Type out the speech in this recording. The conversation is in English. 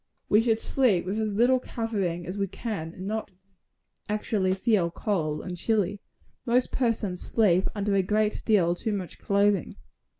We should sleep with as little covering as we can, and not actually feel cold and chilly. Most persons sleep under a great deal too much clothing.